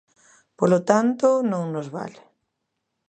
Polo tanto, non nos vale.